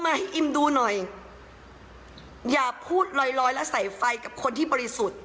ให้อิมดูหน่อยอย่าพูดลอยลอยและใส่ไฟกับคนที่บริสุทธิ์